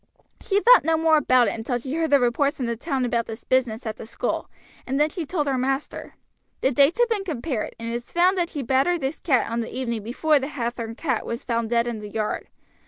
"She thought no more about it until she heard the reports in the town about this business at the school, and then she told her master. The dates have been compared, and it is found that she battered this cat on the evening before the Hathorn cat was found dead in the yard.